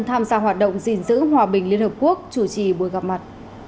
tham gia hoạt động gìn giữ hòa bình liên hợp quốc chủ trì buổi gặp mặt